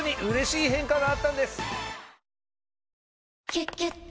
「キュキュット」